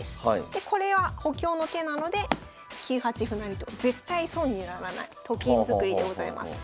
でこれは補強の手なので９八歩成と絶対損にならないと金作りでございます。